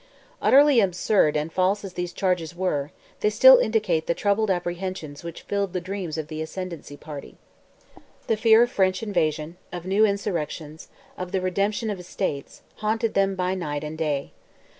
Utterly absurd and false as these charges were, they still indicate the troubled apprehensions which filled the dreams of the ascendency party. The fear of French invasion, of new insurrections, of the resumption of estates, haunted them by night and day.